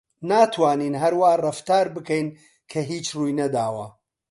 ناتوانین هەر وا ڕەفتار بکەین کە هیچ ڕووی نەداوە.